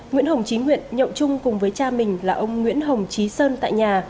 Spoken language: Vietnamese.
nguyễn hồng trí huyện nhậu chung cùng với cha mình là ông nguyễn hồng trí sơn tại nhà